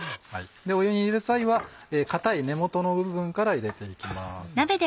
湯に入れる際は硬い根元の部分から入れていきます。